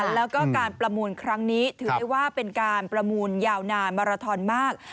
แล้วก็การประมูลครั้งนี้ถือได้ว่าเป็นการประมูลยาวนานมาราทอนมาก